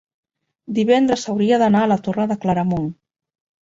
divendres hauria d'anar a la Torre de Claramunt.